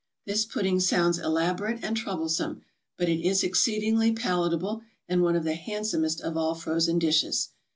This pudding sounds elaborate and troublesome, but it is exceedingly palatable and one of the handsomest of all frozen dishes.